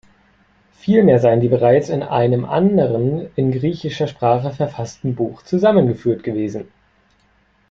Vielmehr seien sie bereits in einem anderen, in griechischer Sprache verfassten Buch zusammengeführt gewesen.